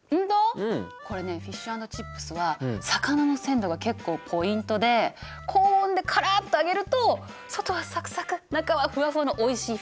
これねフィッシュ＆チップスは魚の鮮度が結構ポイントで高温でカラッと揚げると外はサクサク中はフワフワのおいしい